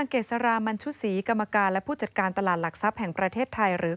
กรรมการและผู้จัดการตลาดหลักทรัพย์แห่งประเทศไทย